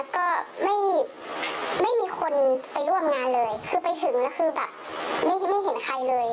ก็ไม่ไม่มีคนไปร่วมงานเลยคือไปถึงคือแบบไม่เห็นใครเลย